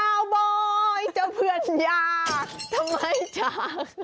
คาวบอยเจ้าเพื่อนยากทำไมจัก